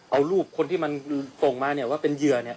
เอารูปคนที่มันส่งมาเนี่ยว่าเป็นเหยื่อเนี่ย